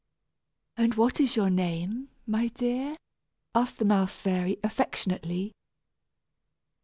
"And what is your name, my dear?" asked the mouse fairy, affectionately.